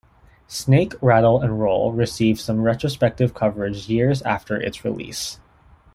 "Snake Rattle 'n' Roll" received some retrospective coverage years after its release.